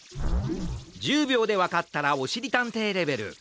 １０びょうでわかったらおしりたんていレベル。